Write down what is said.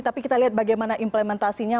tapi kita lihat bagaimana implementasinya